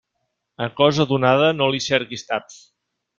A cosa donada no li cerquis taps.